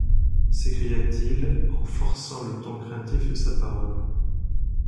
S'écria-t-il en forçant le ton craintif de sa parole.